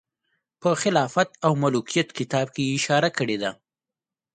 په خلافت او ملوکیت کتاب کې یې اشاره کړې ده.